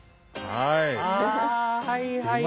はい。